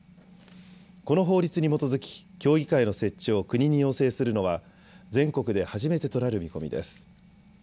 この法律に基づき協議会の設置を国に要請するのは全国で初めてとなる見込みです。